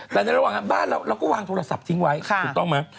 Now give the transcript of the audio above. แต่ในระหว่างนั้นบ้านเราก็วางโทรศัพท์ทิ้งไว้ถูกต้องไหม